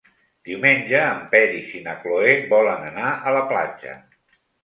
Diumenge en Peris i na Cloè volen anar a la platja.